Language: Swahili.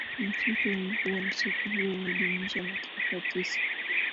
msitu wa mvua Msitu huo unajumuisha mataifa tisa